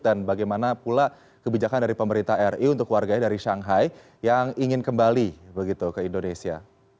dan bagaimana pula kebijakan dari pemerintah ri untuk warganya dari shanghai yang ingin kembali begitu ke indonesia